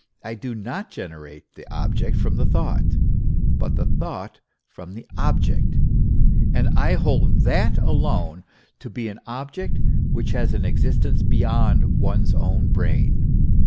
I do not generate the object from the thought, but the thought from the object; and I hold that alone to be an object which has an exist ence beyond one's own brain.